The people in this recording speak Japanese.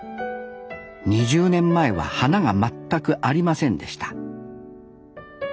２０年前は花が全くありませんでした